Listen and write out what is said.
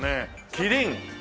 キリン。